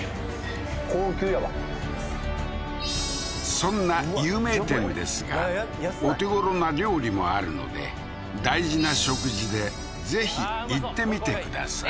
高級やわそんな有名店ですがお手ごろな料理もあるので大事な食事でぜひ行ってみてください